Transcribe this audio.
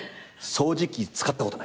掃除機使ったことない。